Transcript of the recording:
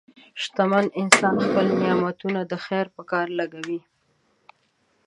شتمن انسان خپل نعمتونه د خیر په کار لګوي.